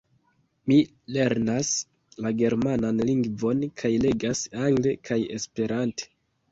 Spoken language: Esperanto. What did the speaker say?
Mi lernas la germanan lingvon kaj legas angle kaj esperante.